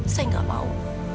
saya gak mau